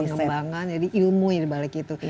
riset pengembangan jadi ilmu yang dibalik itu